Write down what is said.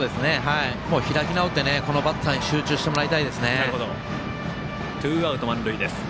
開き直ってこのバッターに集中してもらいたいですね。